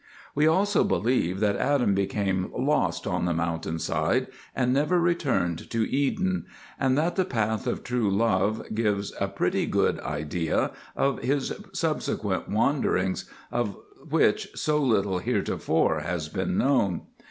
We also believe that Adam became lost on the mountainside and never returned to Eden, and that the Path of True Love gives a pretty good idea of his subsequent wanderings, of which so little heretofore has been known.